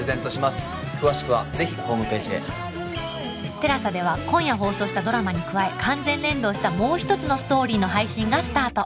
ＴＥＬＡＳＡ では今夜放送したドラマに加え完全連動したもうひとつのストーリーの配信がスタート！